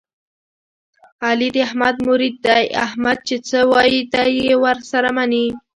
علي د احمد مرید دی، احمد چې څه وایي دی یې ور سره مني.